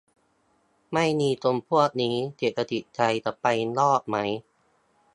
ไม่มีคนพวกนี้ เศรษฐกิจไทยจะไปรอดไหม ?